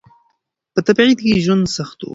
په تبعيد کې ژوند سخت و.